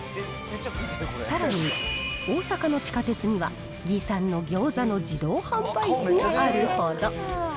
さらに、大阪の地下鉄には、魏さんの餃子の自動販売機があるほど。